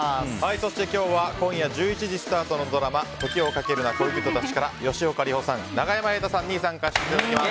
そして、今日は今夜１１時スタートのドラマ「時をかけるな、恋人たち」から吉岡里帆さん、永山瑛太さんに参加していただきます。